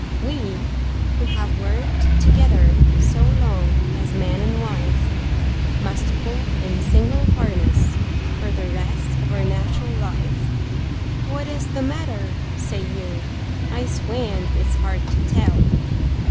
We, who have worked together so long as man and wife, Must pull in single harness for the rest of our nat'ral life. "What is the matter?" say you. I swan it's hard to tell!